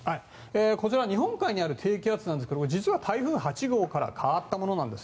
日本海にある低気圧なんですが実は台風８号から変わったものなんです。